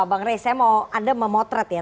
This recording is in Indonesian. bang rey saya mau anda memotret ya